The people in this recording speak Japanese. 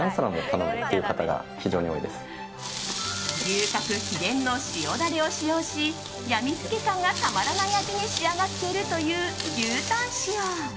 牛角秘伝の塩ダレを使用しやみつき感がたまらない味に仕上がっているという牛タン塩。